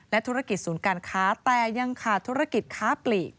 ธุรกิจศูนย์การค้าแต่ยังขาดธุรกิจค้าปลีก